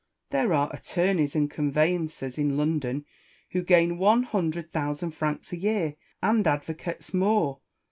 There are attorneys and conveyancers in London who gain one hundred thousand francs a year, and advocates more.